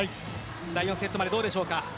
第４セットまでどうでしょうか。